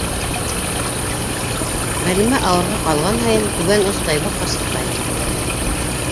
Ғәлимә ауырға ҡалған һайын түбән ос Тайба ҡарсыҡҡа йүгерҙе.